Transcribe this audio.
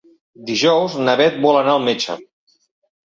Dijous na Beth vol anar al metge.